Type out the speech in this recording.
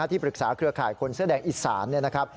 ที่ปรึกษาเครือข่ายคนเสื้อแดงอิสานเนี่ยนะครับ